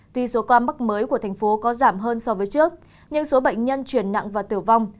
tuy số ca mắc mới của thành phố có giảm hơn so với trước nhưng số bệnh nhân chuyển nặng và tử vong